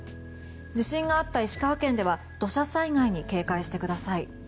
地震があった石川県では土砂災害に警戒してください。